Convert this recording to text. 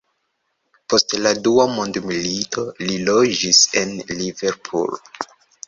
Post la dua mondmilito li loĝis en Liverpool.